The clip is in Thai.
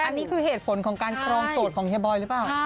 อันนี้คือเหตุผลของการครองโสดของเฮียบอยหรือเปล่า